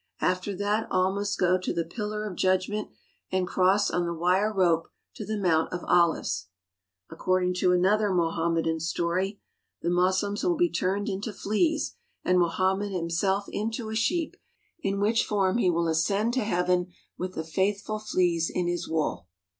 After that all must go to the Pillar of Judgment and cross on the wire rope to the Mount of Olives. According to another Mohammedan story, the Moslems will be turned into fleas, and Mohammed him self into a sheep, in which form he will ascend to heaven with the faithful fleas in his wool.